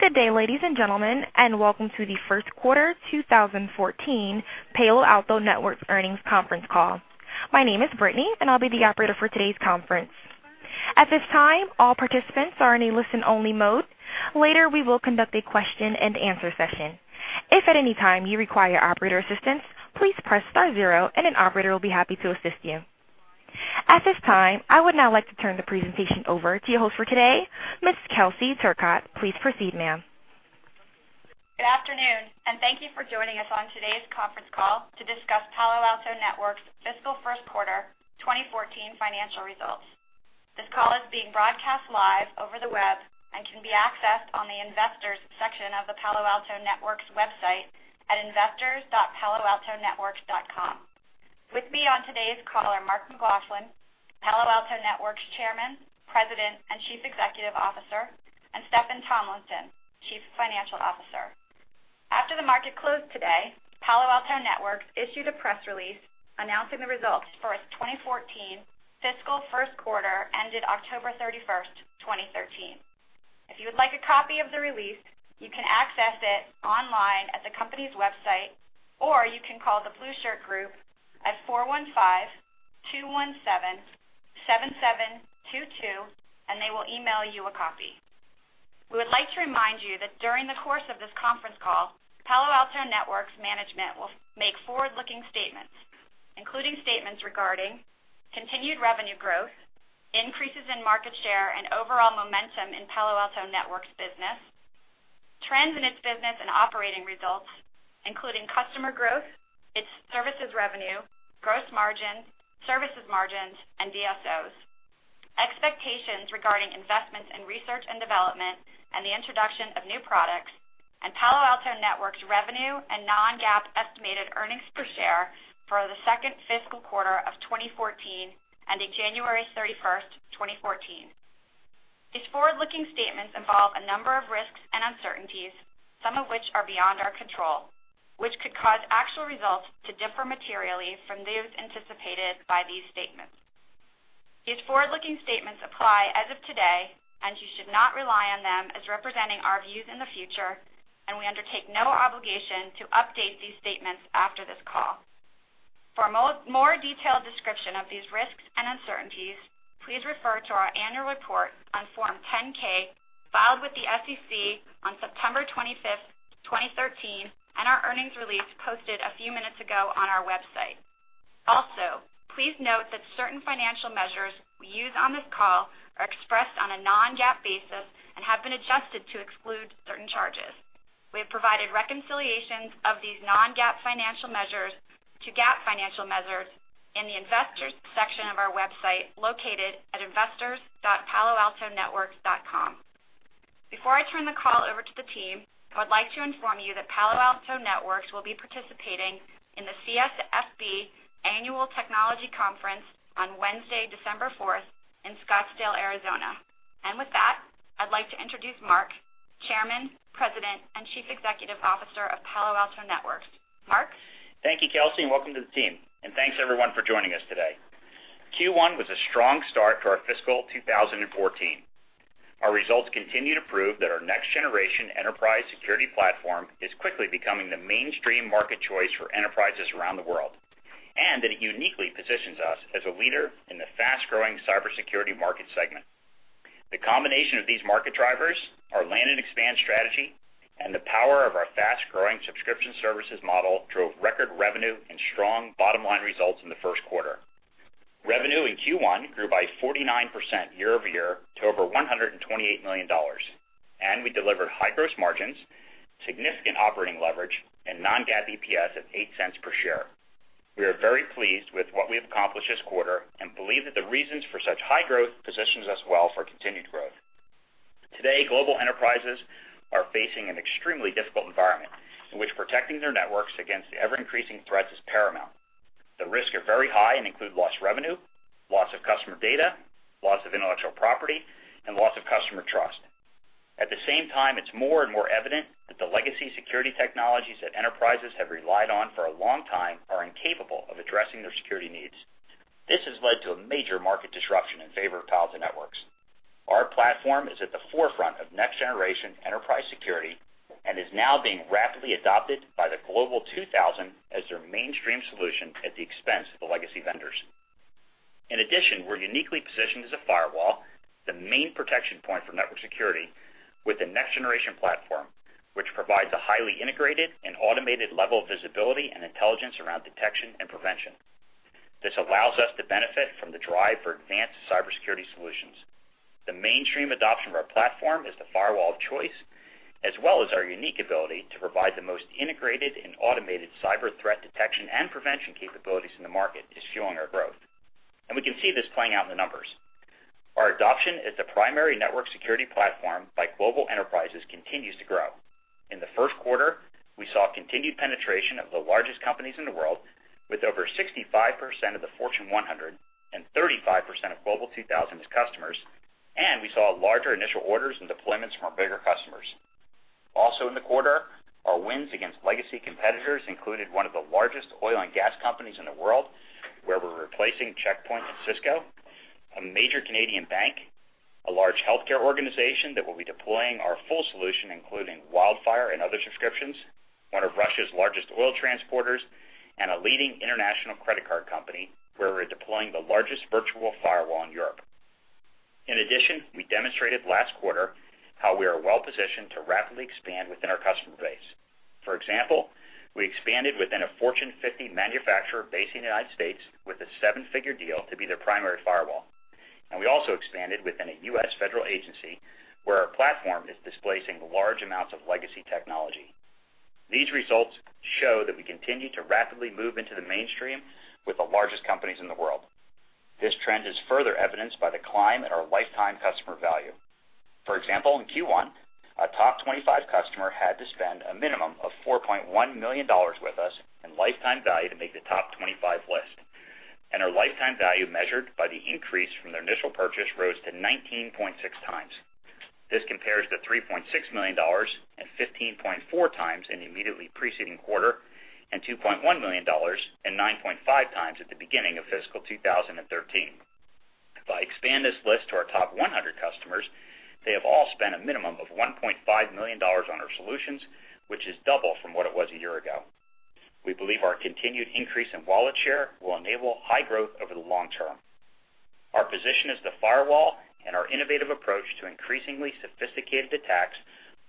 Good day, ladies and gentlemen, welcome to the first quarter 2014 Palo Alto Networks earnings conference call. My name is Brittany, and I'll be the operator for today's conference. At this time, all participants are in a listen-only mode. Later, we will conduct a question and answer session. If at any time you require operator assistance, please press five zero, and an operator will be happy to assist you. At this time, I would now like to turn the presentation over to your host for today, Ms. Kelsey Turcotte. Please proceed, ma'am. Good afternoon, thank you for joining us on today's conference call to discuss Palo Alto Networks' fiscal first quarter 2014 financial results. This call is being broadcast live over the web and can be accessed on the investors section of the Palo Alto Networks website at investors.paloaltonetworks.com. With me on today's call are Mark McLaughlin, Palo Alto Networks' Chairman, President, and Chief Executive Officer, and Steffan Tomlinson, Chief Financial Officer. After the market closed today, Palo Alto Networks issued a press release announcing the results for its 2014 fiscal first quarter ended October 31st, 2013. If you would like a copy of the release, you can access it online at the company's website, or you can call The Blueshirt Group at 415-217-7722, and they will email you a copy. We would like to remind you that during the course of this conference call, Palo Alto Networks management will make forward-looking statements, including statements regarding continued revenue growth, increases in market share, and overall momentum in Palo Alto Networks business, trends in its business and operating results, including customer growth, its services revenue, gross margin, services margins, and DSOs, expectations regarding investments in research and development, and the introduction of new products, and Palo Alto Networks revenue and non-GAAP estimated earnings per share for the second fiscal quarter of 2014, ending January 31st, 2014. These forward-looking statements involve a number of risks and uncertainties, some of which are beyond our control, which could cause actual results to differ materially from those anticipated by these statements. These forward-looking statements apply as of today, and you should not rely on them as representing our views in the future, and we undertake no obligation to update these statements after this call. For a more detailed description of these risks and uncertainties, please refer to our annual report on Form 10-K filed with the SEC on September 25th, 2013, and our earnings release posted a few minutes ago on our website. Also, please note that certain financial measures we use on this call are expressed on a non-GAAP basis and have been adjusted to exclude certain charges. We have provided reconciliations of these non-GAAP financial measures to GAAP financial measures in the investors section of our website located at investors.paloaltonetworks.com. Before I turn the call over to the team, I would like to inform you that Palo Alto Networks will be participating in the CSFB Annual Technology Conference on Wednesday, December fourth, in Scottsdale, Arizona. With that, I'd like to introduce Mark, Chairman, President, and Chief Executive Officer of Palo Alto Networks. Mark? Thank you, Kelsey, and welcome to the team. Thanks, everyone, for joining us today. Q1 was a strong start to our fiscal 2014. Our results continue to prove that our next-generation enterprise security platform is quickly becoming the mainstream market choice for enterprises around the world, that it uniquely positions us as a leader in the fast-growing cybersecurity market segment. The combination of these market drivers, our land and expand strategy, and the power of our fast-growing subscription services model drove record revenue and strong bottom-line results in the first quarter. Revenue in Q1 grew by 49% year-over-year to over $128 million. We delivered high gross margins, significant operating leverage, and non-GAAP EPS of $0.08 per share. We are very pleased with what we have accomplished this quarter and believe that the reasons for such high growth positions us well for continued growth. Today, global enterprises are facing an extremely difficult environment in which protecting their networks against the ever-increasing threats is paramount. The risks are very high and include loss revenue, loss of customer data, loss of intellectual property, and loss of customer trust. At the same time, it's more and more evident that the legacy security technologies that enterprises have relied on for a long time are incapable of addressing their security needs. This has led to a major market disruption in favor of Palo Alto Networks. Our platform is at the forefront of next-generation enterprise security and is now being rapidly adopted by the Global 2000 as their mainstream solution at the expense of the legacy vendors. In addition, we're uniquely positioned as a firewall, the main protection point for network security, with a next-generation platform, which provides a highly integrated and automated level of visibility and intelligence around detection and prevention. This allows us to benefit from the drive for advanced cybersecurity solutions. The mainstream adoption of our platform as the firewall of choice, as well as our unique ability to provide the most integrated and automated cyber threat detection and prevention capabilities in the market, is fueling our growth. We can see this playing out in the numbers. Our adoption as the primary network security platform by global enterprises continues to grow. In the first quarter, we saw continued penetration of the largest companies in the world, with over 65% of the Fortune 100 and 35% of Global 2000 as customers. We saw larger initial orders and deployments from our bigger customers. Also in the quarter, our wins against legacy competitors included one of the largest oil and gas companies in the world, where we're replacing Check Point and Cisco, a major Canadian bank, a large healthcare organization that will be deploying our full solution, including WildFire and other subscriptions, one of Russia's largest oil transporters, and a leading international credit card company, where we're deploying the largest virtual firewall in Europe. In addition, we demonstrated last quarter how we are well-positioned to rapidly expand within our customer base. For example, we expanded within a Fortune 50 manufacturer based in the United States with a seven-figure deal to be their primary firewall. We also expanded within a U.S. federal agency, where our platform is displacing large amounts of legacy technology. These results show that we continue to rapidly move into the mainstream with the largest companies in the world. This trend is further evidenced by the climb in our lifetime customer value. For example, in Q1, our top 25 customer had to spend a minimum of $4.1 million with us in lifetime value to make the top 25 list. Our lifetime value measured by the increase from their initial purchase rose to 19.6 times. This compares to $3.6 million and 15.4 times in the immediately preceding quarter, and $2.1 million and 9.5 times at the beginning of fiscal 2013. If I expand this list to our top 100 customers, they have all spent a minimum of $1.5 million on our solutions, which is double from what it was a year ago. We believe our continued increase in wallet share will enable high growth over the long term. Our position as the firewall and our innovative approach to increasingly sophisticated attacks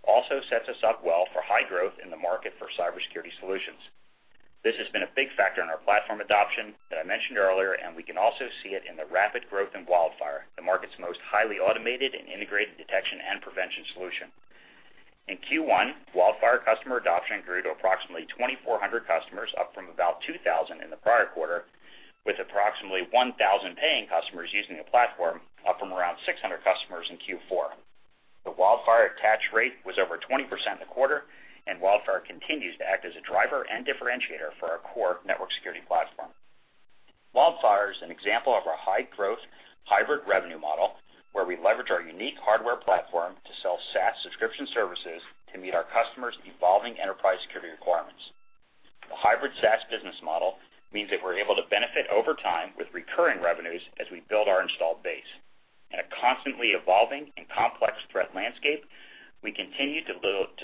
also sets us up well for high growth in the market for cybersecurity solutions. This has been a big factor in our platform adoption that I mentioned earlier, and we can also see it in the rapid growth in WildFire, the market's most highly automated and integrated detection and prevention solution. In Q1, WildFire customer adoption grew to approximately 2,400 customers, up from about 2,000 in the prior quarter, with approximately 1,000 paying customers using the platform, up from around 600 customers in Q4. The WildFire attach rate was over 20% in the quarter. WildFire continues to act as a driver and differentiator for our core network security platform. WildFire is an example of our high-growth, hybrid revenue model, where we leverage our unique hardware platform to sell SaaS subscription services to meet our customers' evolving enterprise security requirements. The hybrid SaaS business model means that we're able to benefit over time with recurring revenues as we build our installed base. In a constantly evolving and complex threat landscape, we continue to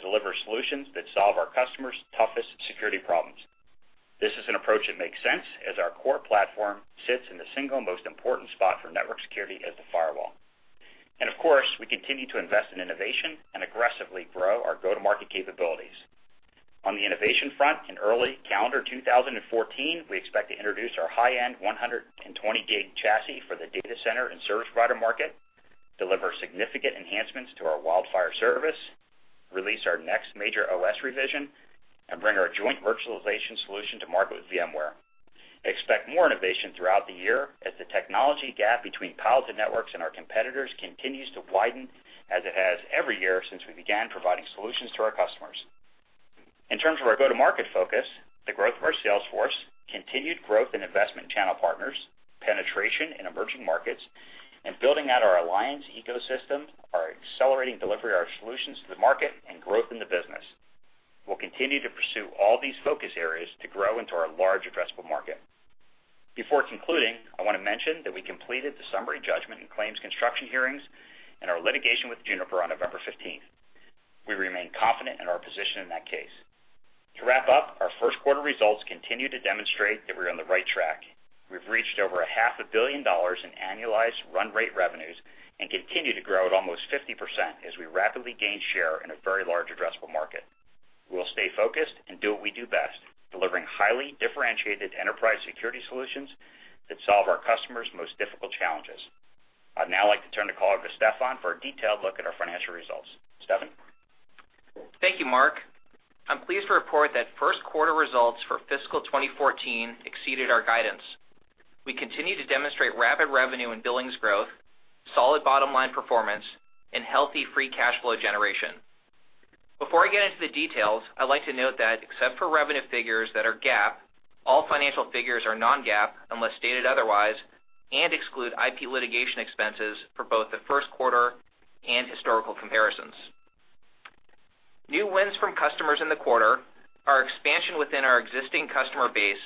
deliver solutions that solve our customers' toughest security problems. This is an approach that makes sense, as our core platform sits in the single most important spot for network security as the firewall. Of course, we continue to invest in innovation and aggressively grow our go-to-market capabilities. On the innovation front, in early calendar 2014, we expect to introduce our high-end 120 gig chassis for the data center and service provider market, deliver significant enhancements to our WildFire service, release our next major OS revision, and bring our joint virtualization solution to market with VMware. Expect more innovation throughout the year as the technology gap between Palo Alto Networks and our competitors continues to widen as it has every year since we began providing solutions to our customers. In terms of our go-to-market focus, the growth of our sales force, continued growth in investment channel partners, penetration in emerging markets, and building out our alliance ecosystem are accelerating delivery of our solutions to the market and growth in the business. We will continue to pursue all these focus areas to grow into our large addressable market. Before concluding, I want to mention that we completed the summary judgment and claims construction hearings in our litigation with Juniper on November 15th. We remain confident in our position in that case. To wrap up, our first quarter results continue to demonstrate that we are on the right track. We have reached over a half a billion dollars in annualized run rate revenues and continue to grow at almost 50% as we rapidly gain share in a very large addressable market. We will stay focused and do what we do best, delivering highly differentiated enterprise security solutions that solve our customers' most difficult challenges. I would now like to turn the call over to Steffan for a detailed look at our financial results. Steffan? Thank you, Mark. I am pleased to report that first quarter results for fiscal 2014 exceeded our guidance. We continue to demonstrate rapid revenue and billings growth, solid bottom-line performance, and healthy free cash flow generation. Before I get into the details, I would like to note that except for revenue figures that are GAAP, all financial figures are non-GAAP unless stated otherwise, and exclude IP litigation expenses for both the first quarter and historical comparisons. New wins from customers in the quarter, our expansion within our existing customer base,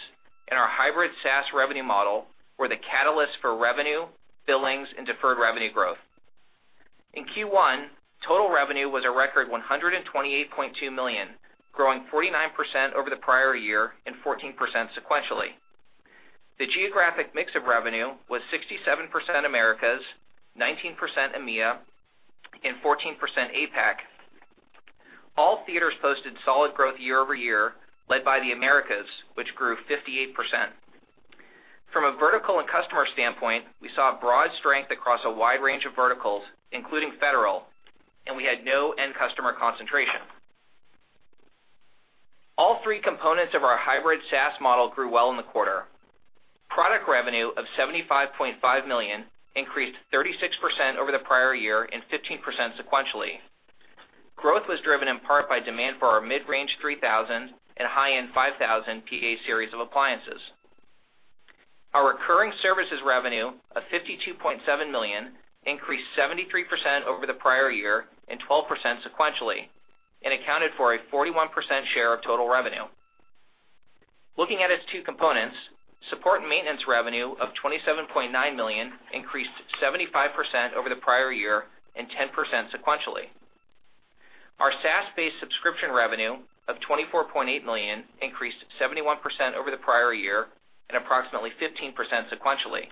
and our hybrid SaaS revenue model were the catalyst for revenue, billings, and deferred revenue growth. In Q1, total revenue was a record $128.2 million, growing 49% over the prior year and 14% sequentially. The geographic mix of revenue was 67% Americas, 19% EMEA, and 14% APAC. All theaters posted solid growth year-over-year, led by the Americas, which grew 58%. From a vertical and customer standpoint, we saw broad strength across a wide range of verticals, including federal, and we had no end customer concentration. All three components of our hybrid SaaS model grew well in the quarter. Product revenue of $75.5 million increased 36% over the prior year and 15% sequentially. Growth was driven in part by demand for our mid-range 3000 and high-end 5000 PA-Series of appliances. Our recurring services revenue of $52.7 million increased 73% over the prior year and 12% sequentially, and accounted for a 41% share of total revenue. Looking at its two components, support and maintenance revenue of $27.9 million increased 75% over the prior year and 10% sequentially. Our SaaS-based subscription revenue of $24.8 million increased 71% over the prior year and approximately 15% sequentially.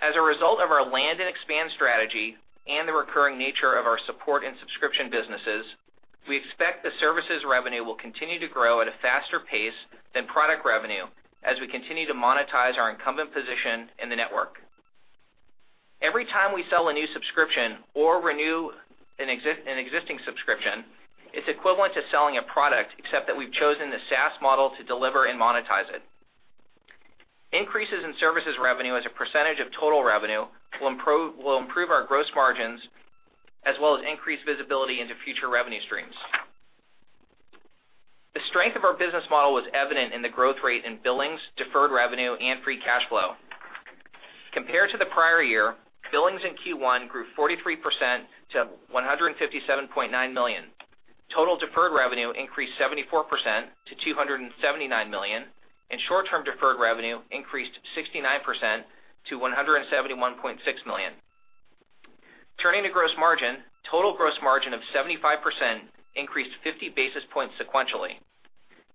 As a result of our land and expand strategy and the recurring nature of our support and subscription businesses, we expect the services revenue will continue to grow at a faster pace than product revenue as we continue to monetize our incumbent position in the network. Every time we sell a new subscription or renew an existing subscription, it's equivalent to selling a product, except that we've chosen the SaaS model to deliver and monetize it. Increases in services revenue as a percentage of total revenue will improve our gross margins, as well as increase visibility into future revenue streams. The strength of our business model was evident in the growth rate in billings, deferred revenue, and free cash flow. Compared to the prior year, billings in Q1 grew 43% to $157.9 million. Total deferred revenue increased 74% to $279 million, and short-term deferred revenue increased 69% to $171.6 million. Turning to gross margin, total gross margin of 75% increased 50 basis points sequentially.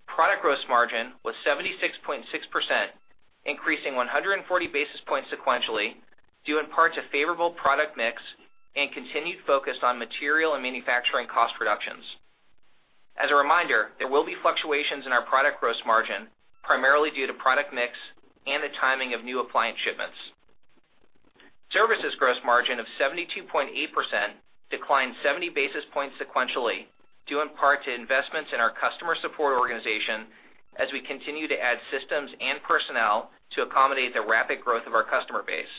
Product gross margin was 76.6%, increasing 140 basis points sequentially, due in part to favorable product mix and continued focus on material and manufacturing cost reductions. As a reminder, there will be fluctuations in our product gross margin, primarily due to product mix and the timing of new appliance shipments. Services gross margin of 72.8% declined 70 basis points sequentially, due in part to investments in our customer support organization as we continue to add systems and personnel to accommodate the rapid growth of our customer base.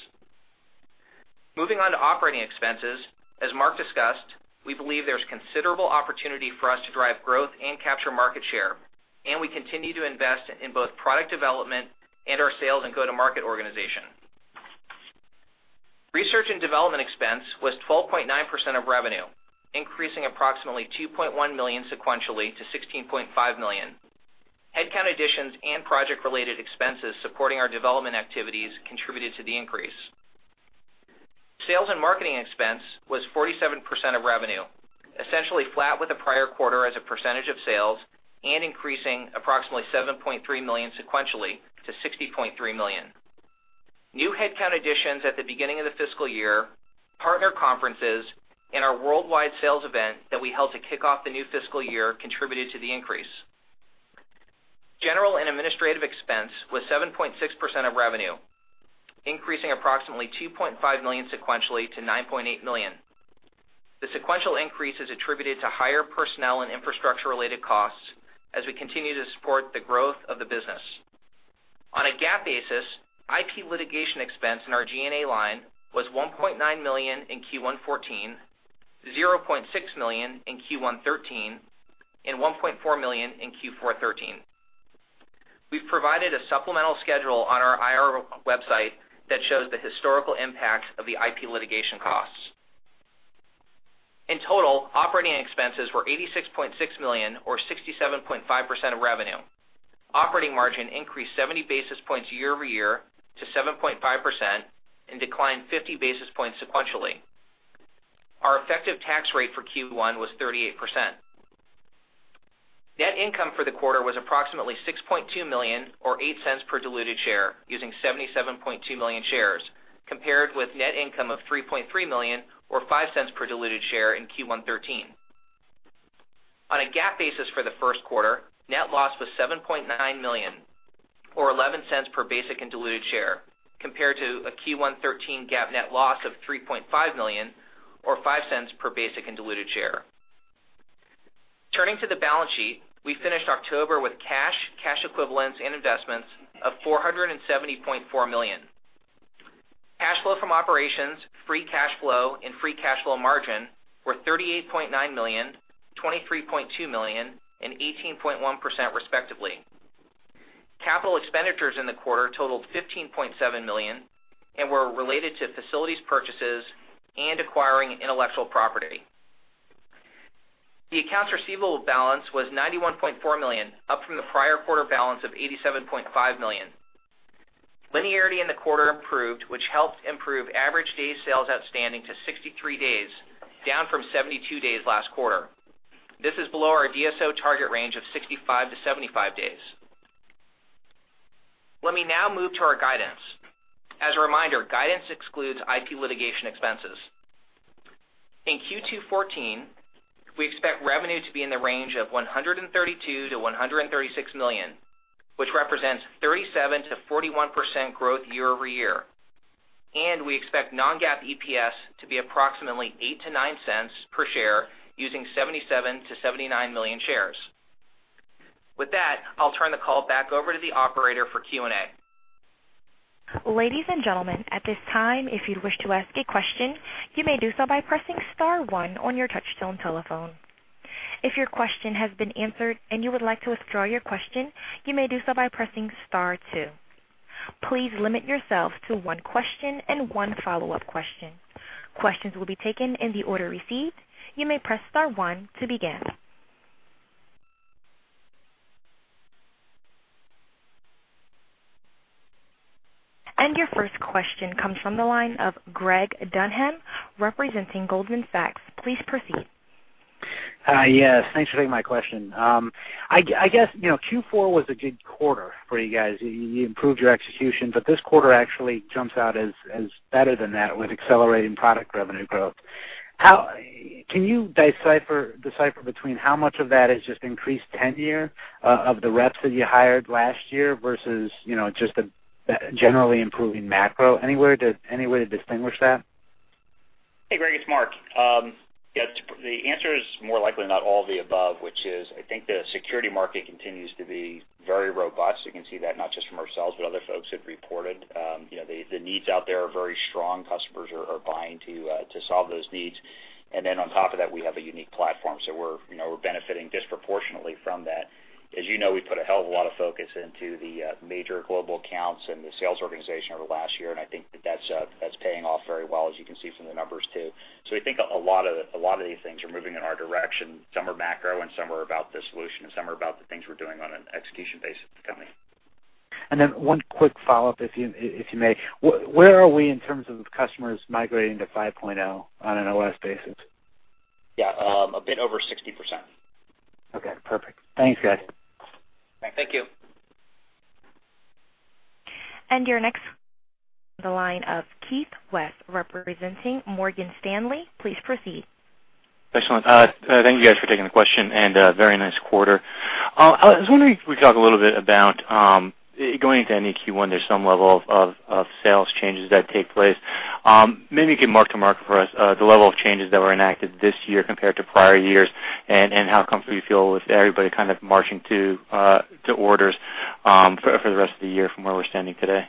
Moving on to operating expenses, as Mark discussed, we believe there's considerable opportunity for us to drive growth and capture market share, and we continue to invest in both product development and our sales and go-to-market organization. Research and development expense was 12.9% of revenue, increasing approximately $2.1 million sequentially to $16.5 million. Headcount additions and project-related expenses supporting our development activities contributed to the increase. Sales and marketing expense was 47% of revenue, essentially flat with the prior quarter as a percentage of sales and increasing approximately $7.3 million sequentially to $60.3 million. New headcount additions at the beginning of the fiscal year, partner conferences, and our worldwide sales event that we held to kick off the new fiscal year contributed to the increase. General and administrative expense was 7.6% of revenue, increasing approximately $2.5 million sequentially to $9.8 million. The sequential increase is attributed to higher personnel and infrastructure-related costs as we continue to support the growth of the business. On a GAAP basis, IP litigation expense in our G&A line was $1.9 million in Q1 2014, $0.6 million in Q1 2013, and $1.4 million in Q4 2013. We've provided a supplemental schedule on our IR website that shows the historical impact of the IP litigation costs. In total, operating expenses were $86.6 million or 67.5% of revenue. Operating margin increased 70 basis points year-over-year to 7.5% and declined 50 basis points sequentially. Our effective tax rate for Q1 was 38%. Net income for the quarter was approximately $6.2 million or $0.08 per diluted share using 77.2 million shares, compared with net income of $3.3 million or $0.05 per diluted share in Q1 2013. On a GAAP basis for the first quarter, net loss was $7.9 million or $0.11 per basic and diluted share, compared to a Q1 2013 GAAP net loss of $3.5 million or $0.05 per basic and diluted share. Turning to the balance sheet, we finished October with cash equivalents, and investments of $470.4 million. Cash flow from operations, free cash flow, and free cash flow margin were $38.9 million, $23.2 million, and 18.1%, respectively. Capital expenditures in the quarter totaled $15.7 million and were related to facilities purchases and acquiring intellectual property. The accounts receivable balance was $91.4 million, up from the prior quarter balance of $87.5 million. Linearity in the quarter improved, which helped improve average day sales outstanding to 63 days, down from 72 days last quarter. This is below our DSO target range of 65 to 75 days. Let me now move to our guidance. As a reminder, guidance excludes IP litigation expenses. In Q2 2014, we expect revenue to be in the range of $132 million to $136 million, which represents 37%-41% growth year-over-year. We expect non-GAAP EPS to be approximately $0.08 to $0.09 per share using 77 million to 79 million shares. With that, I'll turn the call back over to the operator for Q&A. Ladies and gentlemen, at this time, if you'd wish to ask a question, you may do so by pressing star one on your touchtone telephone. If your question has been answered and you would like to withdraw your question, you may do so by pressing star two. Please limit yourself to one question and one follow-up question. Questions will be taken in the order received. You may press star one to begin. Your first question comes from the line of Greg Dunham, representing Goldman Sachs. Please proceed. Yes, thanks for taking my question. I guess Q4 was a good quarter for you guys. You improved your execution, this quarter actually jumps out as better than that with accelerating product revenue growth. Can you decipher between how much of that is just increased tenure of the reps that you hired last year versus just a generally improving macro? Any way to distinguish that? Hey, Greg, it's Mark. Yeah, the answer is more likely than not all the above, which is, I think the security market continues to be very robust. You can see that not just from ourselves, but other folks have reported. The needs out there are very strong. Customers are buying to solve those needs. On top of that, we have a unique platform. We're benefiting disproportionately from that. As you know, we put a hell of a lot of focus into the major global accounts and the sales organization over the last year, and I think that that's paying off very well, as you can see from the numbers, too. We think a lot of these things are moving in our direction. Some are macro, and some are about the solution, and some are about the things we're doing on an execution basis at the company. One quick follow-up, if you may. Where are we in terms of customers migrating to 5.0 on an OS basis? Yeah. A bit over 60%. Okay, perfect. Thanks, guys. Thank you. Your next, the line of Keith Weiss representing Morgan Stanley. Please proceed. Excellent. Thank you guys for taking the question and very nice quarter. I was wondering if we could talk a little bit about, going into any Q1, there's some level of sales changes that take place. Maybe you could mark to market for us the level of changes that were enacted this year compared to prior years and how comfortable you feel with everybody kind of marching to orders for the rest of the year from where we're standing today.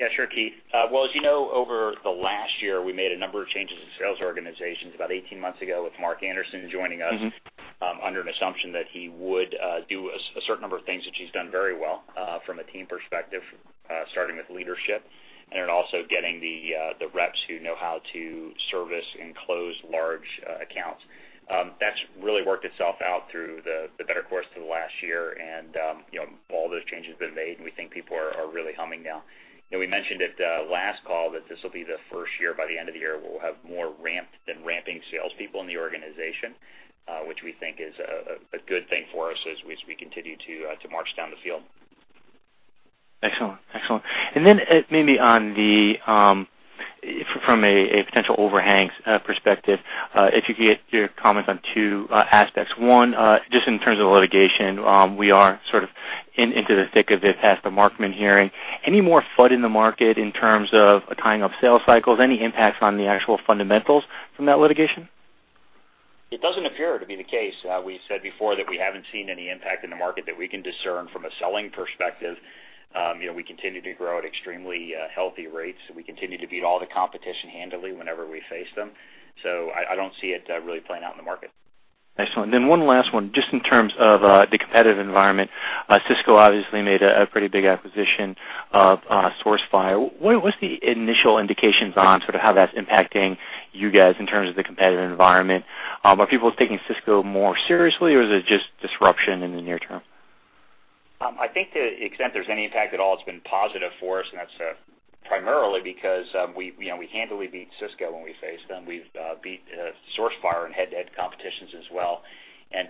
Yeah, sure, Keith. Well, as you know, over the last year, we made a number of changes in the sales organizations about 18 months ago with Mark Anderson joining us under an assumption that he would do a certain number of things, which he's done very well from a team perspective, starting with leadership and then also getting the reps who know how to service and close large accounts. That's really worked itself out through the better course through the last year and all those changes have been made, and we think people are really humming now. We mentioned at the last call that this will be the first year by the end of the year where we'll have more ramped than ramping salespeople in the organization, which we think is a good thing for us as we continue to march down the field. Excellent. Then maybe from a potential overhang perspective, if you could get your comments on two aspects. One, just in terms of litigation, we are sort of into the thick of it past the Markman hearing. Any more FUD in the market in terms of tying up sales cycles? Any impacts on the actual fundamentals from that litigation? It doesn't appear to be the case. We said before that we haven't seen any impact in the market that we can discern from a selling perspective. We continue to grow at extremely healthy rates, and we continue to beat all the competition handily whenever we face them. I don't see it really playing out in the market. Excellent. Then one last one, just in terms of the competitive environment. Cisco obviously made a pretty big acquisition of Sourcefire. What's the initial indications on sort of how that's impacting you guys in terms of the competitive environment? Are people taking Cisco more seriously, or is it just disruption in the near term? I think to the extent there's any impact at all, it's been positive for us, and that's primarily because we handily beat Cisco when we faced them. We've beat Sourcefire in head-to-head competitions as well.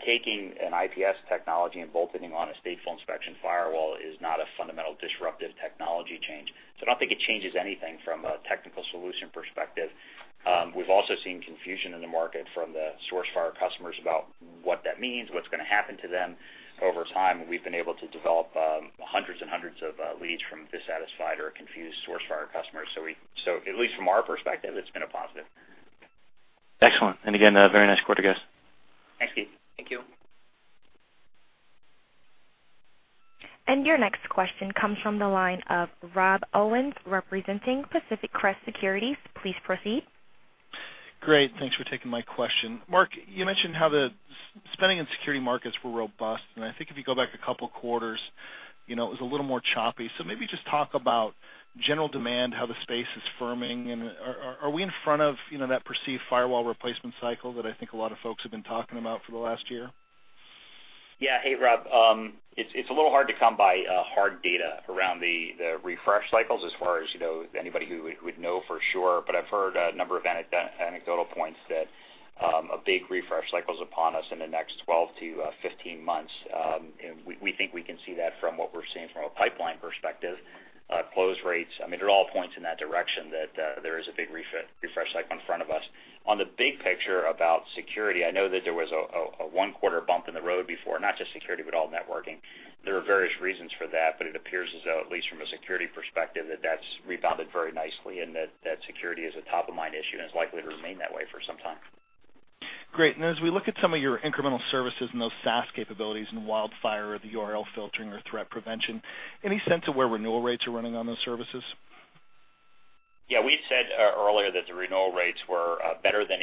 Taking an IPS technology and bolting on a stateful inspection firewall is not a fundamental disruptive technology change. I don't think it changes anything from a technical solution perspective. We've also seen confusion in the market from the Sourcefire customers about what that means, what's going to happen to them over time, and we've been able to develop hundreds and hundreds of leads from dissatisfied or confused Sourcefire customers. At least from our perspective, it's been a positive. Excellent. Again, a very nice quarter, guys. Thanks, Keith. Thank you. Your next question comes from the line of Rob Owens representing Pacific Crest Securities. Please proceed. Great. Thanks for taking my question. Mark, you mentioned how the spending and security markets were robust, and I think if you go back a couple of quarters, it was a little more choppy. Maybe just talk about general demand, how the space is firming, and are we in front of that perceived firewall replacement cycle that I think a lot of folks have been talking about for the last year? Yeah. Hey, Rob. It's a little hard to come by hard data around the refresh cycles as far as anybody who would know for sure. I've heard a number of anecdotal points that a big refresh cycle is upon us in the next 12-15 months. We think we can see that from what we're seeing from a pipeline perspective, close rates. It all points in that direction that there is a big refresh cycle in front of us. On the big picture about security, I know that there was a one-quarter bump in the road before, not just security, but all networking. There are various reasons for that, but it appears as though, at least from a security perspective, that that's rebounded very nicely and that security is a top-of-mind issue and is likely to remain that way for some time. Great. As we look at some of your incremental services and those SaaS capabilities and WildFire, the URL filtering or threat prevention, any sense of where renewal rates are running on those services? Yeah. We said earlier that the renewal rates were better than 85%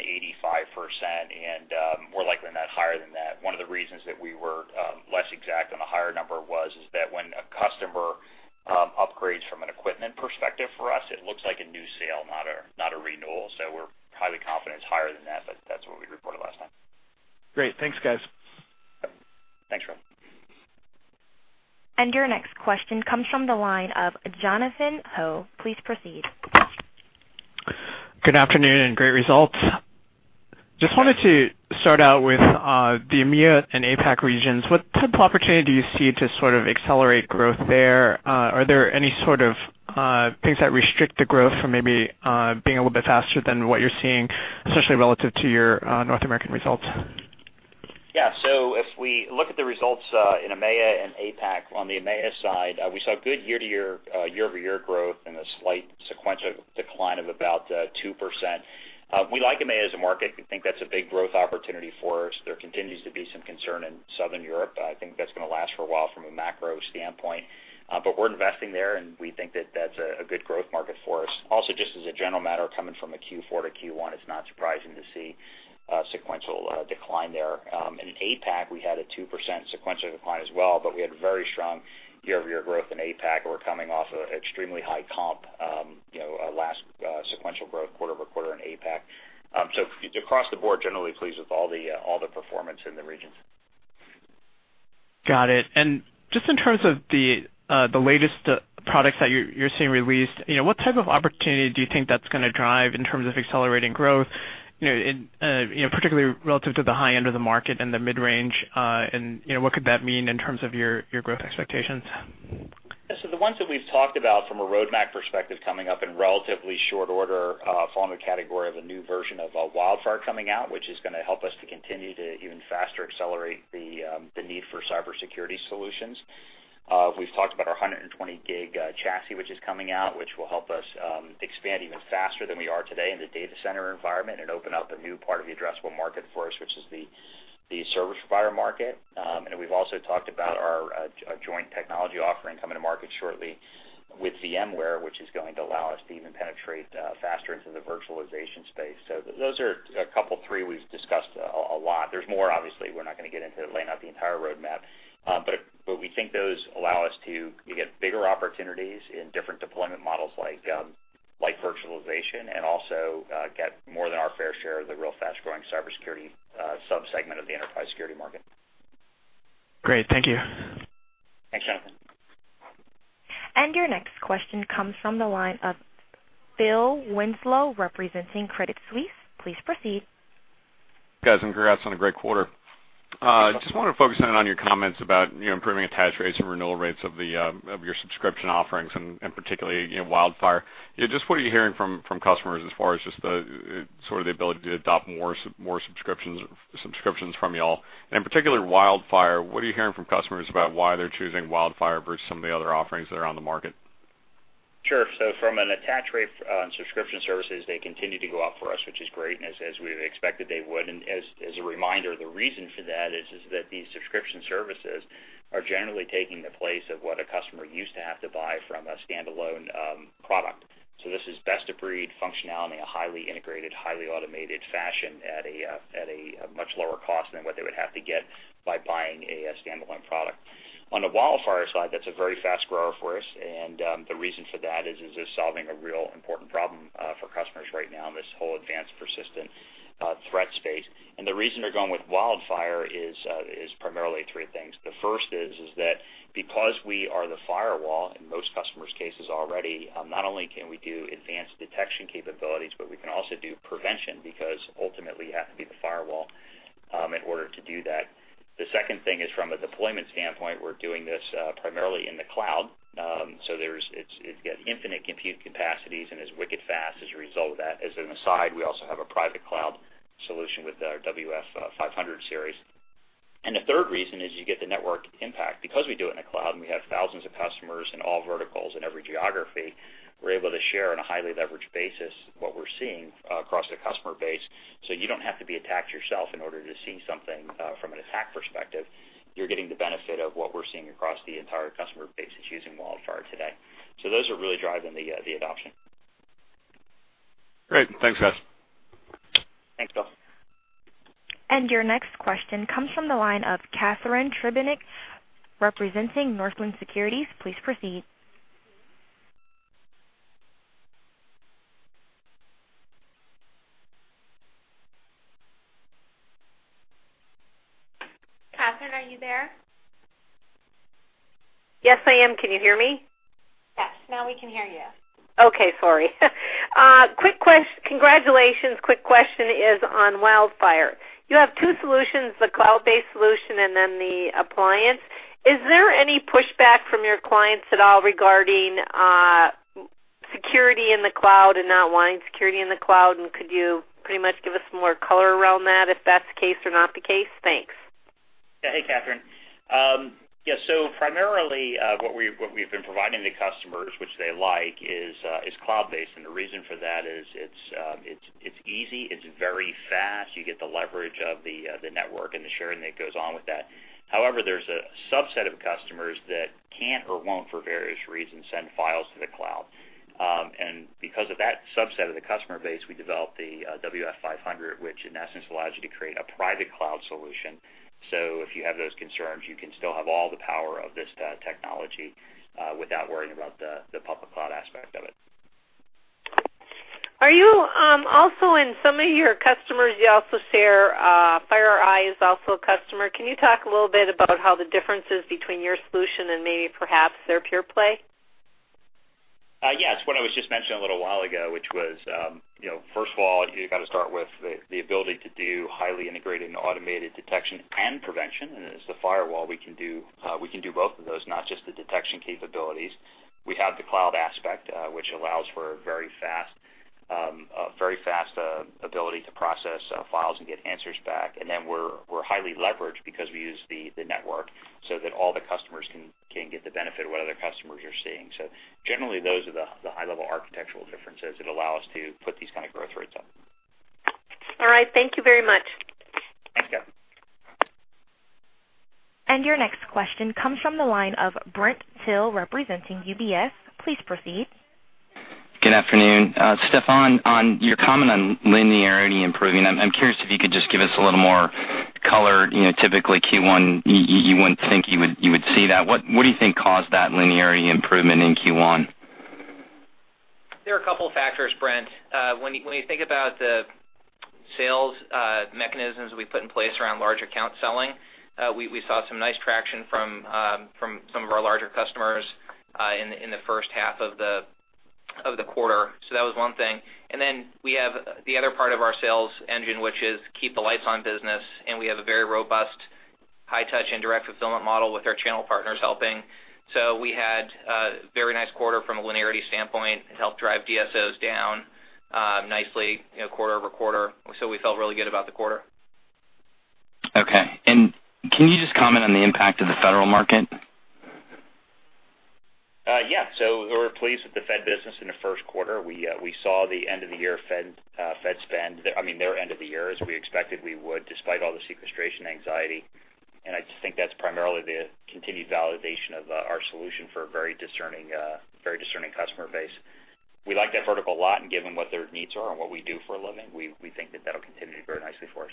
and more likely not higher than that. One of the reasons that we were less exact on a higher number was that when a customer upgrades from an equipment perspective for us, it looks like a new sale, not a renewal. We're highly confident it's higher than that, but that's what we reported last time. Great. Thanks, guys. Thanks, Rob. Your next question comes from the line of Jonathan Ho. Please proceed. Good afternoon. Great results. Just wanted to start out with the EMEA and APAC regions. What type of opportunity do you see to sort of accelerate growth there? Are there any sort of things that restrict the growth from maybe being a little bit faster than what you're seeing, especially relative to your North American results? If we look at the results in EMEA and APAC, on the EMEA side, we saw good year-over-year growth and a slight sequential decline of about 2%. We like EMEA as a market. We think that's a big growth opportunity for us. There continues to be some concern in Southern Europe, but I think that's going to last for a while from a macro standpoint. We're investing there, and we think that that's a good growth market for us. Also, just as a general matter, coming from a Q4 to Q1, it's not surprising to see a sequential decline there. In APAC, we had a 2% sequential decline as well, but we had very strong year-over-year growth in APAC. We're coming off an extremely high comp, last sequential growth quarter-over-quarter in APAC. Across the board, generally pleased with all the performance in the regions. Got it. Just in terms of the latest products that you're seeing released, what type of opportunity do you think that's going to drive in terms of accelerating growth, particularly relative to the high end of the market and the mid-range? What could that mean in terms of your growth expectations? The ones that we've talked about from a roadmap perspective coming up in relatively short order, fall in the category of a new version of WildFire coming out, which is going to help us to continue to even faster accelerate the need for cybersecurity solutions. We've talked about our 120 gig chassis, which is coming out, which will help us expand even faster than we are today in the data center environment and open up a new part of the addressable market for us, which is the service provider market. We've also talked about our joint technology offering coming to market shortly with VMware, which is going to allow us to even penetrate faster into the virtualization space. Those are a couple, three we've discussed a lot. There's more obviously. We're not going to get into laying out the entire roadmap. We think those allow us to get bigger opportunities in different deployment models like virtualization and also get more than our fair share of the real fast-growing cybersecurity subsegment of the enterprise security market. Great. Thank you. Thanks, Jonathan. Your next question comes from the line of Philip Winslow, representing Credit Suisse. Please proceed. Guys, congrats on a great quarter. Just want to focus in on your comments about improving attach rates and renewal rates of your subscription offerings and particularly WildFire. Just what are you hearing from customers as far as just the ability to adopt more subscriptions from you all? In particular, WildFire, what are you hearing from customers about why they're choosing WildFire versus some of the other offerings that are on the market? Sure. From an attach rate on subscription services, they continue to go up for us, which is great, as we expected they would. As a reminder, the reason for that is that these subscription services are generally taking the place of what a customer used to have to buy from a standalone product. This is best-of-breed functionality in a highly integrated, highly automated fashion at a much lower cost than what they would have to get by buying a standalone product. On the WildFire side, that's a very fast grower for us, and the reason for that is it's solving a real important problem for customers right now in this whole Advanced Persistent Threat space. The reason they're going with WildFire is primarily three things. The first is that because we are the firewall in most customers' cases already, not only can we do advanced detection capabilities, but we can also do prevention because ultimately you have to be the firewall in order to do that. The second thing is from a deployment standpoint, we're doing this primarily in the cloud, so it's got infinite compute capacities and is wicked fast as a result of that. As an aside, we also have a private cloud solution with our WF-500 series. The third reason is you get the network impact. Because we do it in a cloud and we have thousands of customers in all verticals in every geography, we're able to share on a highly leveraged basis what we're seeing across the customer base, so you don't have to be attacked yourself in order to see something from an attack perspective. You're getting the benefit of what we're seeing across the entire customer base that's using WildFire today. Those are really driving the adoption. Great. Thanks, guys. Thanks, Philip. Your next question comes from the line of Catharine Trebnick, representing Northland Securities. Please proceed. Catharine, are you there? Yes, I am. Can you hear me? Yes. Now we can hear you. Okay. Sorry. Congratulations. Quick question is on WildFire. You have two solutions, the cloud-based solution and then the appliance. Is there any pushback from your clients at all regarding security in the cloud and not wanting security in the cloud? Could you pretty much give us more color around that if that's the case or not the case? Thanks. Hey, Catharine. Yeah. Primarily what we've been providing to customers, which they like, is cloud-based. The reason for that is it's easy, it's very fast. You get the leverage of the network and the sharing that goes on with that. However, there's a subset of customers that can't or won't, for various reasons, send files to the cloud. Because of that subset of the customer base, we developed the WF-500, which in essence allows you to create a private cloud solution. If you have those concerns, you can still have all the power of this technology, without worrying about the public cloud aspect of it. Are you also in some of your customers, you also share, FireEye is also a customer. Can you talk a little bit about how the differences between your solution and maybe perhaps their pure play? Yes. What I was just mentioning a little while ago, which was, first of all, you got to start with the ability to do highly integrated and automated detection and prevention. As the firewall, we can do both of those, not just the detection capabilities. We have the cloud aspect, which allows for a very fast ability to process files and get answers back. Then we're highly leveraged because we use the network so that all the customers can get the benefit of what other customers are seeing. Generally, those are the high-level architectural differences that allow us to put these kind of growth rates up. All right. Thank you very much. Thank you. Your next question comes from the line of Brent Thill representing UBS. Please proceed. Good afternoon. Steffan, on your comment on linearity improving, I'm curious if you could just give us a little more color. Typically Q1, you wouldn't think you would see that. What do you think caused that linearity improvement in Q1? There are a couple of factors, Brent. When you think about the sales mechanisms we put in place around large account selling, we saw some nice traction from some of our larger customers in the first half of the quarter. That was one thing. Then we have the other part of our sales engine, which is keep the lights on business, and we have a very robust high touch and direct fulfillment model with our channel partners helping. We had a very nice quarter from a linearity standpoint. It helped drive DSOs down nicely quarter-over-quarter. We felt really good about the quarter. Okay. Can you just comment on the impact of the federal market? Yeah. We were pleased with the Fed business in the first quarter. We saw the end of the year Fed spend, I mean, their end of the year, as we expected we would, despite all the sequestration anxiety. I just think that's primarily the continued validation of our solution for a very discerning customer base. We like that vertical a lot, and given what their needs are and what we do for a living, we think that that'll continue to do very nicely for us.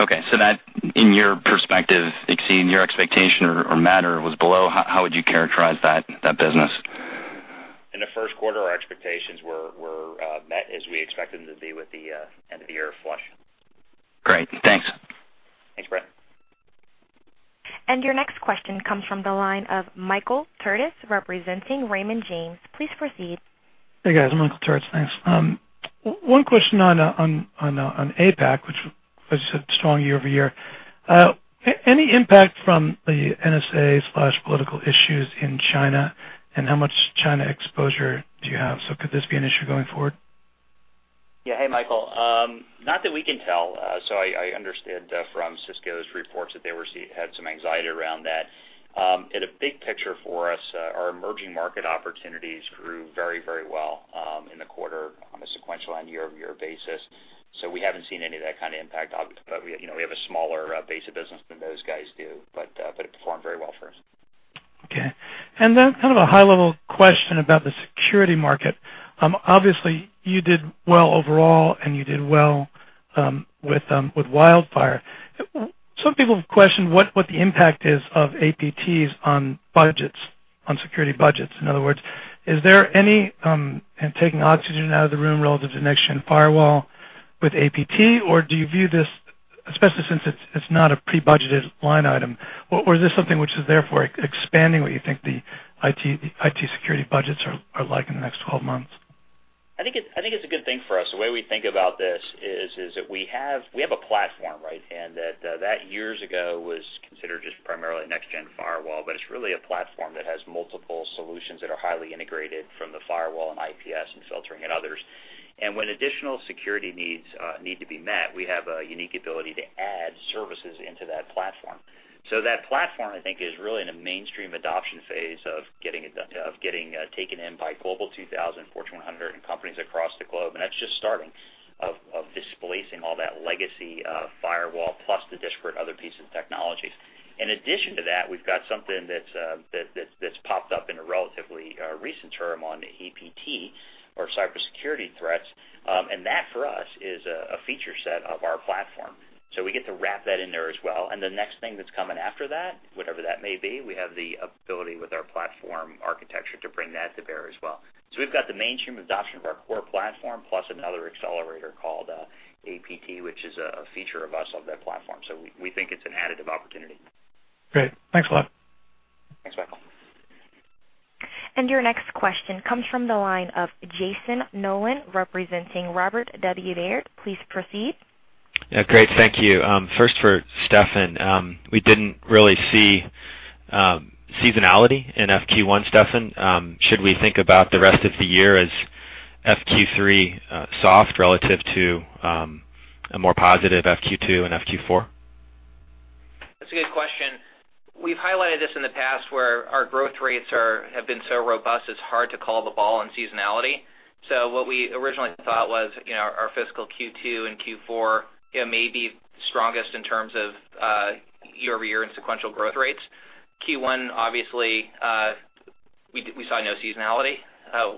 Okay. That, in your perspective, exceeded your expectation or met or was below, how would you characterize that business? In the first quarter, our expectations were met as we expected them to be with the end of the year flush. Great. Thanks. Thanks, Brent. Your next question comes from the line of Michael Turits, representing Raymond James. Please proceed. Hey, guys. I'm Michael Turits. Thanks. One question on APAC, which was a strong year-over-year. Any impact from the NSA/political issues in China, and how much China exposure do you have? Could this be an issue going forward? Yeah. Hey, Michael. Not that we can tell. I understand from Cisco's reports that they had some anxiety around that. In a big picture for us, our emerging market opportunities grew very well, in the quarter on a sequential and year-over-year basis. We haven't seen any of that kind of impact. We have a smaller base of business than those guys do, but it performed very well for us. Okay. Then kind of a high-level question about the security market. Obviously you did well overall and you did well with WildFire. Some people have questioned what the impact is of APTs on budgets, on security budgets. In other words, is there any taking oxygen out of the room relative to next-gen firewall with APT, or do you view this, especially since it's not a pre-budgeted line item, or is this something which is therefore expanding what you think the IT security budgets are like in the next 12 months? I think it's a good thing for us. The way we think about this is that we have a platform, right? That years ago was considered just primarily a next-gen firewall, but it's really a platform that has multiple solutions that are highly integrated from the firewall and IPS and filtering and others. When additional security needs need to be met, we have a unique ability to add services into that platform. That platform, I think, is really in a mainstream adoption phase of getting taken in by Global 2000, Fortune 100, and companies across the globe. That's just starting of displacing all that legacy firewall plus the disparate other pieces of technologies. In addition to that, we've got something that's popped up in a relatively recent term on APT or cybersecurity threats. That for us is a feature set of our platform. We get to wrap that in there as well. The next thing that's coming after that, whatever that may be, we have the ability with our platform architecture to bring that to bear as well. We've got the mainstream adoption of our core platform plus another accelerator called APT, which is a feature of us of that platform. We think it's an additive opportunity. Great. Thanks a lot. Thanks, Michael. Your next question comes from the line of Jayson Noland, representing Robert W. Baird. Please proceed. Yeah, great. Thank you. First for Steffan. We didn't really see seasonality in FQ1, Steffan. Should we think about the rest of the year as FQ3 soft relative to a more positive FQ2 and FQ4? That's a good question. We've highlighted this in the past where our growth rates have been so robust, it's hard to call the ball on seasonality. What we originally thought was our fiscal Q2 and Q4 may be strongest in terms of year-over-year and sequential growth rates. Q1, obviously, we saw no seasonality,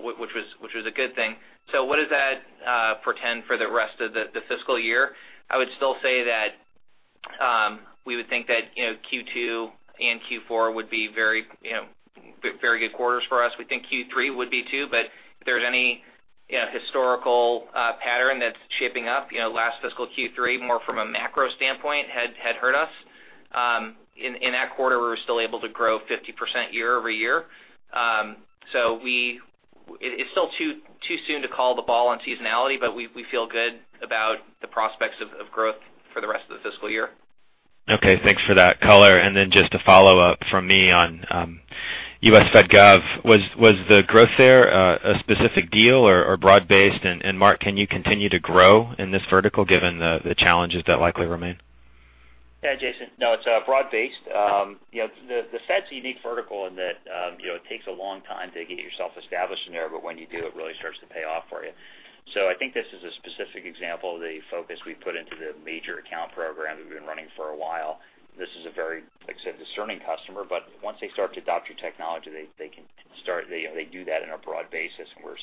which was a good thing. What does that portend for the rest of the fiscal year? I would still say that we would think that Q2 and Q4 would be very good quarters for us. We think Q3 would be, too, but if there's any historical pattern that's shaping up, last fiscal Q3, more from a macro standpoint, had hurt us. In that quarter, we were still able to grow 50% year-over-year. It's still too soon to call the ball on seasonality, but we feel good about the prospects of growth for the rest of the fiscal year. Okay. Thanks for that color. Then just a follow-up from me on U.S. Fed gov. Was the growth there a specific deal or broad-based? Mark, can you continue to grow in this vertical given the challenges that likely remain? Yeah, Jayson. No, it's broad-based. The Fed's a unique vertical in that it takes a long time to get yourself established in there, but when you do, it really starts to pay off for you. I think this is a specific example of the focus we put into the major account program that we've been running for a while. This is a very, like I said, discerning customer, but once they start to adopt your technology, they do that on a broad basis, and we're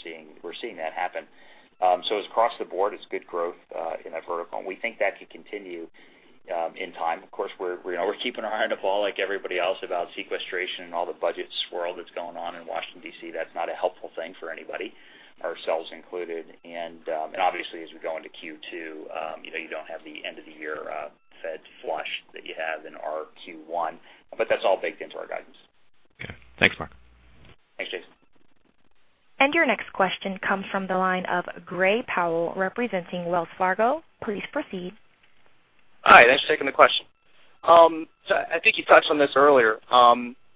seeing that happen. It's across the board. It's good growth in that vertical, and we think that could continue in time. Of course, we're keeping our eye on the ball like everybody else about sequestration and all the budget swirl that's going on in Washington, D.C. That's not a helpful thing for anybody, ourselves included. Obviously, as we go into Q2, you don't have the end-of-the-year Fed flush that you have in our Q1, but that's all baked into our guidance. Okay. Thanks, Mark. Thanks, Jayson. Your next question comes from the line of Gray Powell representing Wells Fargo. Please proceed. Hi, thanks for taking the question. I think you touched on this earlier,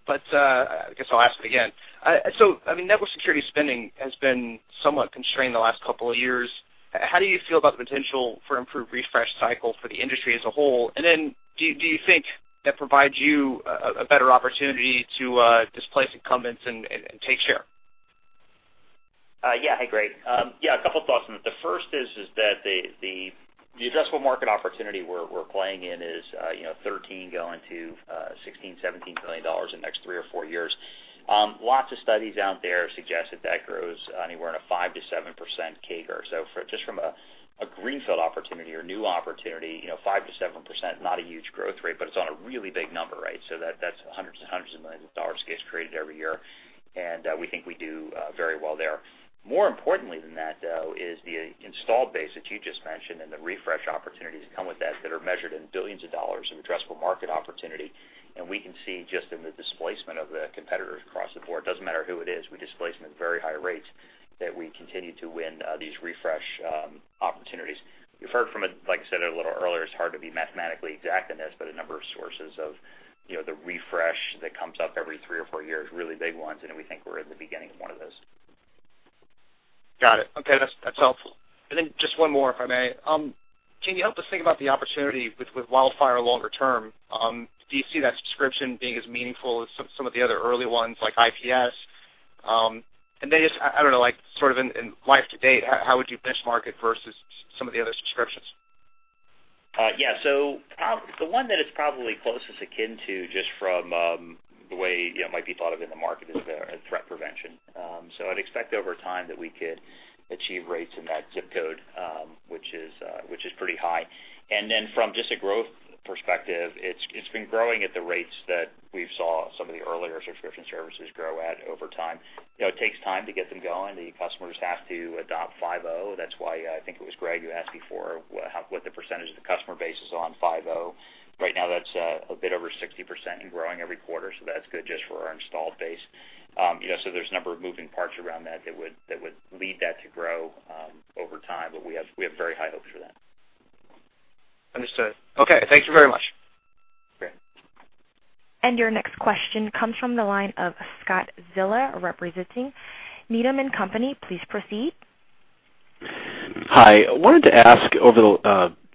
but I guess I'll ask it again. Network security spending has been somewhat constrained in the last couple of years. How do you feel about the potential for improved refresh cycle for the industry as a whole? Do you think that provides you a better opportunity to displace incumbents and take share? Yeah. Hey, Gray. A couple thoughts on that. The first is that the addressable market opportunity we're playing in is $13 billion going to $16 billion, $17 billion in the next three or four years. Lots of studies out there suggest that that grows anywhere in a 5%-7% CAGR. Just from a greenfield opportunity or new opportunity, 5%-7% is not a huge growth rate, but it's on a really big number. That's hundreds and hundreds of millions of dollars gets created every year, and we think we do very well there. More importantly than that, though, is the installed base that you just mentioned and the refresh opportunities that come with that that are measured in billions of dollars of addressable market opportunity. We can see just in the displacement of the competitors across the board, it doesn't matter who it is, we displace them at very high rates, that we continue to win these refresh opportunities. You've heard from it, like I said a little earlier, it's hard to be mathematically exact in this, but a number of sources of the refresh that comes up every three or four years, really big ones, and we think we're in the beginning of one of those. Got it. Okay. That's helpful. Just one more, if I may. Can you help us think about the opportunity with WildFire longer term? Do you see that subscription being as meaningful as some of the other early ones, like IPS? Just, I don't know, in life to date, how would you benchmark it versus some of the other subscriptions? Yeah. The one that it's probably closest akin to, just from the way it might be thought of in the market, is threat prevention. I'd expect over time that we could achieve rates in that zip code, which is pretty high. From just a growth perspective, it's been growing at the rates that we saw some of the earlier subscription services grow at over time. It takes time to get them going. The customers have to adopt PAN-OS 5.0. That's why I think it was Greg who asked before what the percentage of the customer base is on PAN-OS 5.0. Right now, that's a bit over 60% and growing every quarter, that's good just for our installed base. There's a number of moving parts around that that would lead that to grow over time, but we have very high hopes for that. Understood. Okay. Thank you very much. Great. Your next question comes from the line of Scott Zeller representing Needham & Company. Please proceed. Hi. I wanted to ask, just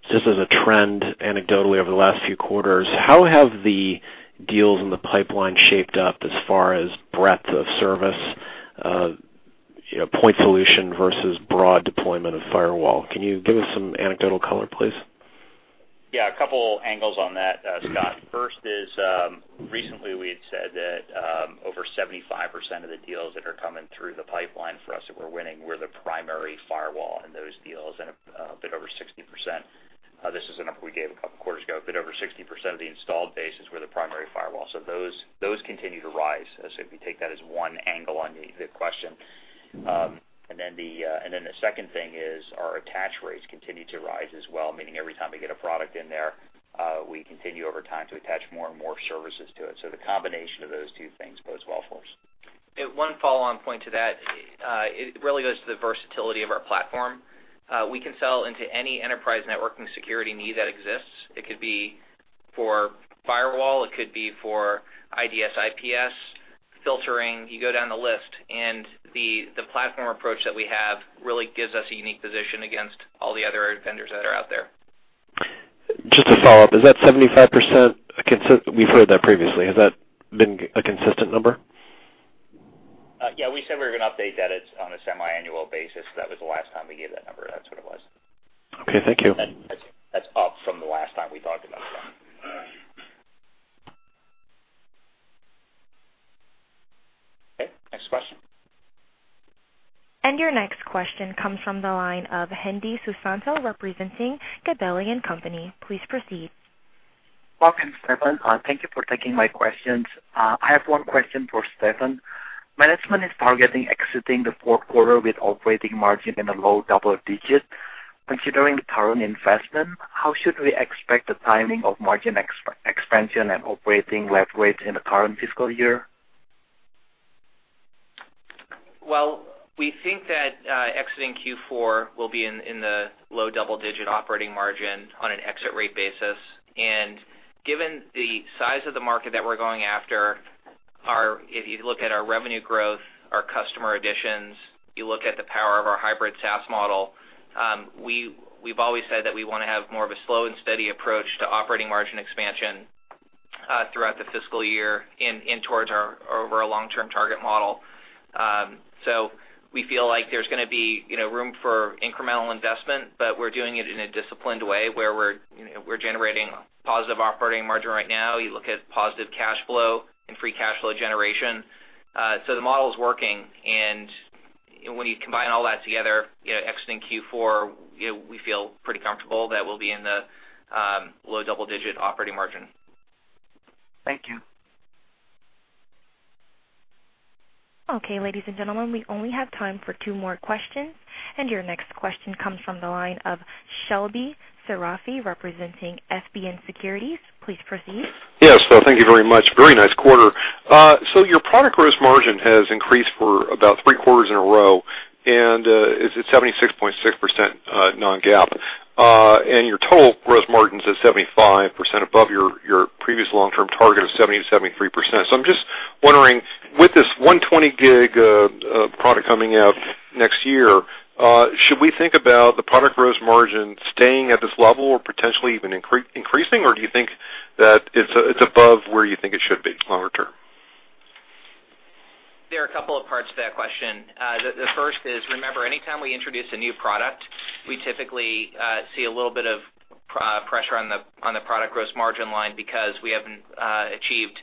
as a trend anecdotally over the last few quarters, how have the deals in the pipeline shaped up as far as breadth of service, point solution versus broad deployment of firewall? Can you give us some anecdotal color, please? Yeah. A couple angles on that, Scott. First is, recently we had said that over 75% of the deals that are coming through the pipeline for us that we're winning were the primary firewall in those deals and a bit over 60%. This is a number we gave a couple quarters ago, a bit over 60% of the installed base is where the primary firewall. Those continue to rise. If you take that as one angle on the question. Then the second thing is our attach rates continue to rise as well, meaning every time we get a product in there, we continue over time to attach more and more services to it. The combination of those two things bodes well for us. One follow-on point to that. It really goes to the versatility of our platform. We can sell into any enterprise networking security need that exists. It could be for firewall, it could be for IDS, IPS, filtering. You go down the list. The platform approach that we have really gives us a unique position against all the other vendors that are out there. Just a follow-up. Is that 75%? We've heard that previously. Has that been a consistent number? Yeah, we said we were going to update that on a semi-annual basis. That was the last time we gave that number. That's what it was. Okay, thank you. That's up from the last time we talked about it. Okay, next question. Your next question comes from the line of Hendi Susanto, representing Gabelli & Company. Please proceed. Mark and Steffan, thank you for taking my questions. I have one question for Steffan. Management is targeting exiting the fourth quarter with operating margin in the low double digits. Considering the current investment, how should we expect the timing of margin expansion and operating leverage in the current fiscal year? Well, we think that exiting Q4 will be in the low double-digit operating margin on an exit rate basis. Given the size of the market that we're going after, if you look at our revenue growth, our customer additions, you look at the power of our hybrid SaaS model, we've always said that we want to have more of a slow and steady approach to operating margin expansion throughout the fiscal year and towards our over a long-term target model. We feel like there's going to be room for incremental investment, but we're doing it in a disciplined way, where we're generating positive operating margin right now. You look at positive cash flow and free cash flow generation. The model is working, and when you combine all that together, exiting Q4, we feel pretty comfortable that we'll be in the low double-digit operating margin. Thank you. Okay, ladies and gentlemen, we only have time for two more questions, your next question comes from the line of Shebly Serafin, representing FBN Securities. Please proceed. Yes. Thank you very much. Very nice quarter. Your product gross margin has increased for about three quarters in a row, and it's at 76.6% non-GAAP. Your total gross margin's at 75%, above your previous long-term target of 70%-73%. I'm just wondering, with this 120G product coming out next year, should we think about the product gross margin staying at this level or potentially even increasing, or do you think that it's above where you think it should be longer term? There are a couple of parts to that question. The first is, remember, anytime we introduce a new product, we typically see a little bit of pressure on the product gross margin line because we haven't achieved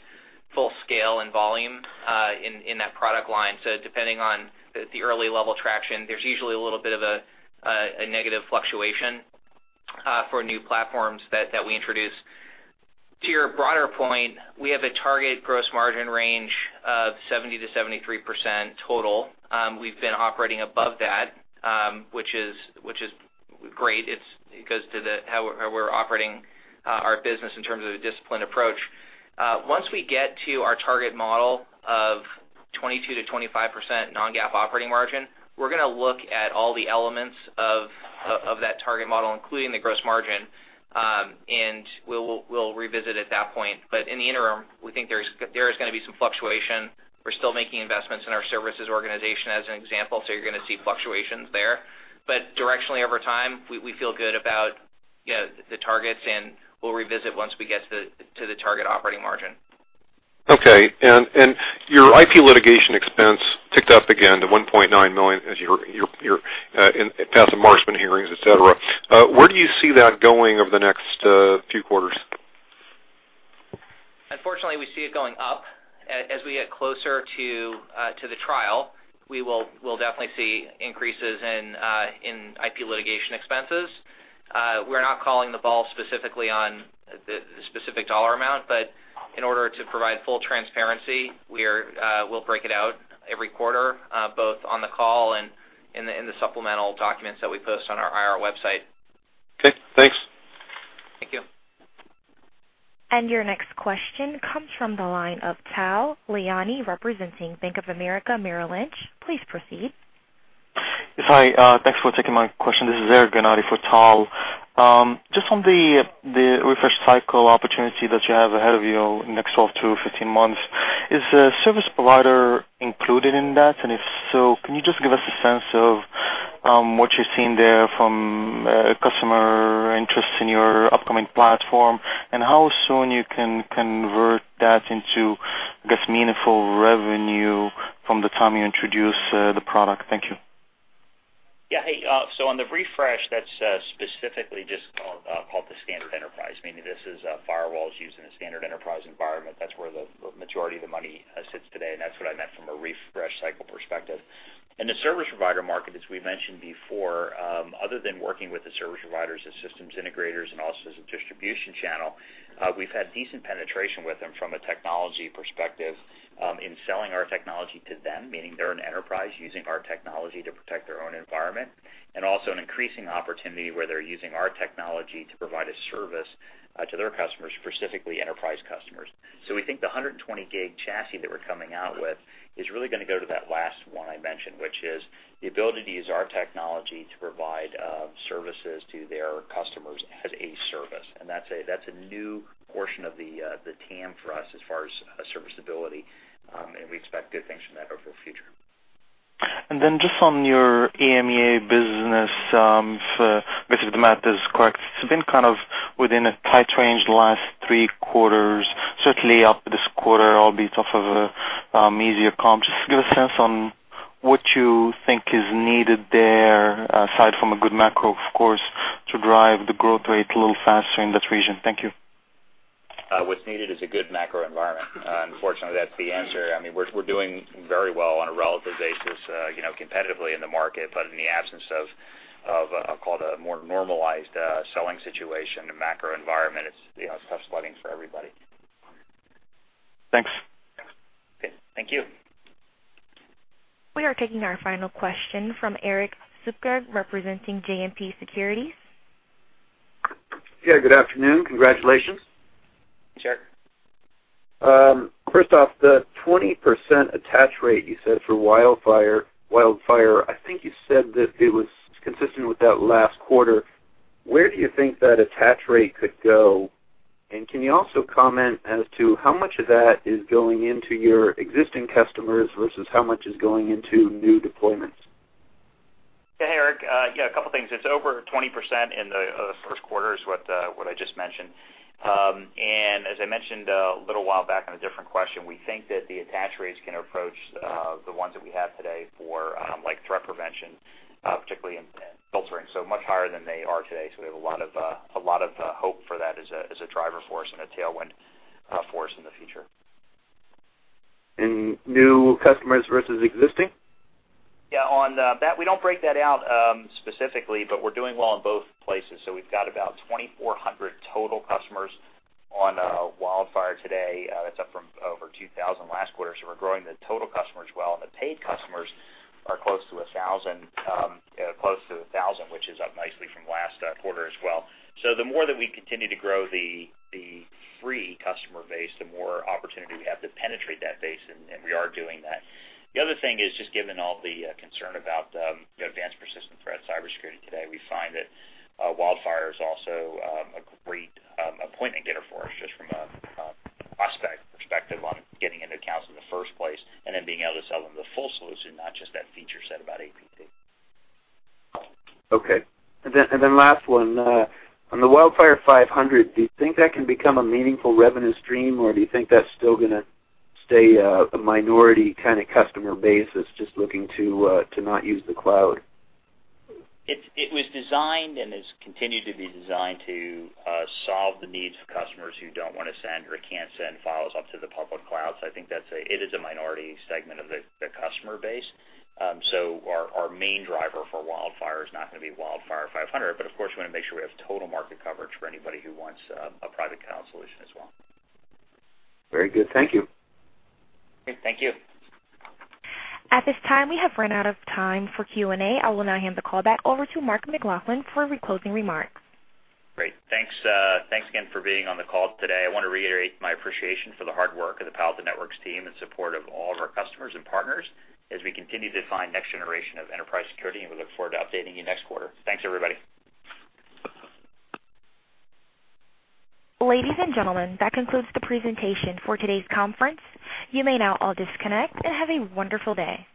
full scale and volume in that product line. Depending on the early-level traction, there's usually a little bit of a negative fluctuation for new platforms that we introduce. To your broader point, we have a targeted gross margin range of 70%-73% total. We've been operating above that, which is great. It goes to how we're operating our business in terms of the disciplined approach. Once we get to our target model of 22%-25% non-GAAP operating margin, we're going to look at all the elements of that target model, including the gross margin, and we'll revisit at that point. In the interim, we think there is going to be some fluctuation. We're still making investments in our services organization, as an example, so you're going to see fluctuations there. Directionally over time, we feel good about the targets, and we'll revisit once we get to the target operating margin. Okay. Your IP litigation expense ticked up again to $1.9 million as your path to Markman hearings, et cetera. Where do you see that going over the next few quarters? Unfortunately, we see it going up. As we get closer to the trial, we'll definitely see increases in IP litigation expenses. We're not calling the ball specifically on the specific dollar amount, but in order to provide full transparency, we'll break it out every quarter, both on the call and in the supplemental documents that we post on our IR website. Okay, thanks. Thank you. Your next question comes from the line of Tal Liani, representing Bank of America Merrill Lynch. Please proceed. Yes. Hi. Thanks for taking my question. This is Eric Ghernati for Tal. Just on the refresh cycle opportunity that you have ahead of you next 12-15 months, is service provider included in that? If so, can you just give us a sense of what you're seeing there from customer interest in your upcoming platform and how soon you can convert that into, I guess, meaningful revenue from the time you introduce the product? Thank you. Yeah. Hey, on the refresh, that's specifically just called the standard enterprise, meaning this is firewalls used in a standard enterprise environment. That's where the majority of the money sits today, and that's what I meant from a refresh cycle perspective. In the service provider market, as we mentioned before, other than working with the service providers as systems integrators and also as a distribution channel, we've had decent penetration with them from a technology perspective in selling our technology to them, meaning they're an enterprise using our technology to protect their own environment, and also an increasing opportunity where they're using our technology to provide a service to their customers, specifically enterprise customers. We think the 120G chassis that we're coming out with is really going to go to that last one I mentioned, which is the ability to use our technology to provide Services to their customers as a service. That's a new portion of the TAM for us as far as serviceability, and we expect good things from that over the future. Just on your EMEA business, if the math is correct, it's been kind of within a tight range the last three quarters, certainly up this quarter, albeit off of an easier comp. Just give a sense on what you think is needed there, aside from a good macro, of course, to drive the growth rate a little faster in that region. Thank you. What's needed is a good macro environment. Unfortunately, that's the answer. We're doing very well on a relative basis, competitively in the market, but in the absence of a, call it, a more normalized selling situation, the macro environment, it's tough sledding for everybody. Thanks. Okay. Thank you. We are taking our final question from Erik Suppiger, representing JMP Securities. Yeah, good afternoon. Congratulations. Sure. First off, the 20% attach rate you said for WildFire, I think you said that it was consistent with that last quarter. Where do you think that attach rate could go? Can you also comment as to how much of that is going into your existing customers versus how much is going into new deployments? Yeah. Hey, Erik. Yeah, a couple things. It's over 20% in the first quarter is what I just mentioned. As I mentioned a little while back on a different question, we think that the attach rates can approach the ones that we have today for threat prevention, particularly in filtering, much higher than they are today. We have a lot of hope for that as a driver for us and a tailwind for us in the future. New customers versus existing? Yeah. On that, we don't break that out specifically, but we're doing well in both places. We've got about 2,400 total customers on WildFire today. That's up from over 2,000 last quarter. We're growing the total customers well, and the paid customers are close to 1,000, which is up nicely from last quarter as well. The more that we continue to grow the free customer base, the more opportunity we have to penetrate that base, and we are doing that. The other thing is just given all the concern about the Advanced Persistent Threat cybersecurity today, we find that WildFire is also a great appointment getter for us just from a prospect perspective on getting into accounts in the first place and then being able to sell them the full solution, not just that feature set about APT. Okay. Then last one. On the WildFire 500, do you think that can become a meaningful revenue stream, or do you think that's still going to stay a minority kind of customer base that's just looking to not use the cloud? It was designed and has continued to be designed to solve the needs of customers who don't want to send or can't send files up to the public cloud. I think it is a minority segment of the customer base. Our main driver for WildFire is not going to be WildFire 500. Of course, we want to make sure we have total market coverage for anybody who wants a private account solution as well. Very good. Thank you. Okay. Thank you. At this time, we have run out of time for Q&A. I will now hand the call back over to Mark McLaughlin for closing remarks. Great. Thanks again for being on the call today. I want to reiterate my appreciation for the hard work of the Palo Alto Networks team in support of all of our customers and partners as we continue to define the next generation of enterprise security. We look forward to updating you next quarter. Thanks, everybody. Ladies and gentlemen, that concludes the presentation for today's conference. You may now all disconnect, and have a wonderful day.